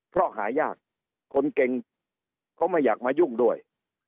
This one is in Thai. เพราะหายากคนเก่งเขาไม่อยากมายุ่งด้วย